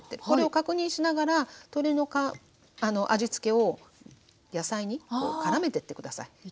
これを確認しながら鶏の味付けを野菜にからめてって下さい。